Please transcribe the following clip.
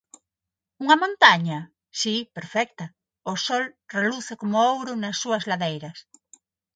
Unha montaña? Si, perfecta, o sol reluce como ouro nas súas ladeiras.